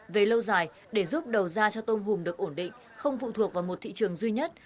về lâu dài để giúp đầu ra cho tôm hùm được ổn định không phụ thuộc vào một thị trường duy nhất